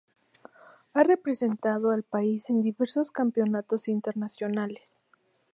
Ha representado al país en diversos campeonatos internacionales.